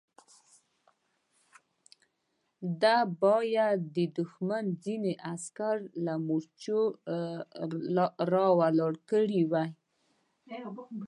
ده بايد د دښمن ځينې عسکر له مورچو را ولاړ کړي وای.